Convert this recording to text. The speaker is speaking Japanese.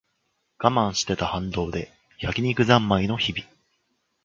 我慢してた反動で焼き肉ざんまいの日々